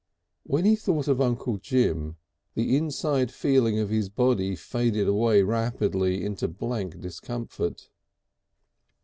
When he thought of Uncle Jim the inside feeling of his body faded away rapidly to a blank discomfort....